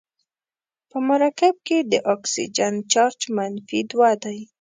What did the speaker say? په مرکب کې د اکسیجن چارج منفي دوه دی.